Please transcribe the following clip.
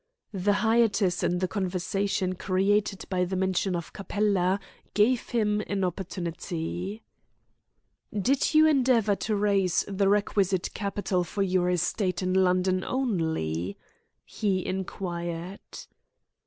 The hiatus in the conversation created by the mention of Capella gave him an opportunity. "Did you endeavour to raise the requisite capital for your estate in London only?" he inquired.